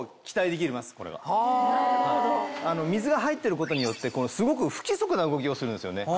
水が入ってることによってすごく不規則な動きをするんですよね。